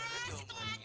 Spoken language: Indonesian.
eh situ ngaca ya